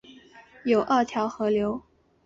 有二条河流